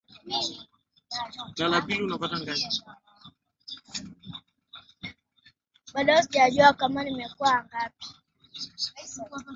ambacho Samia yuko madarakani Chama cha mapinduzi itapanda katika ushawishi wake Kama ambavyo Rais